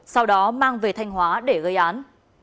sau đó mang về thanh hóa để gây án